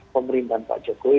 pemerintahan pak jokowi